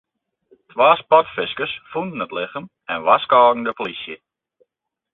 Twa sportfiskers fûnen it lichem en warskôgen de polysje.